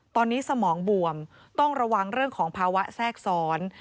ตอนนี้สมองบวมต้องระวังเรื่องของภาวะแทรกซ้อน